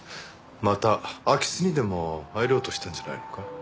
また空き巣にでも入ろうとしたんじゃないのか？